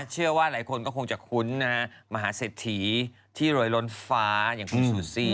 เชื่อว่าหลายคนก็คงจะคุ้นนะฮะมหาเศรษฐีที่รวยล้นฟ้าอย่างคุณซูซี่